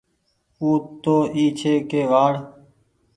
او تو اي ڇي ڪي وآڙ۔